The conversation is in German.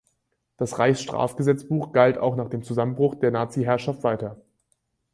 Das Reichsstrafgesetzbuch galt auch nach dem Zusammenbruch der Naziherrschaft weiter.